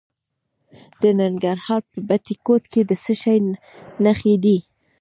د ننګرهار په بټي کوټ کې د څه شي نښې دي؟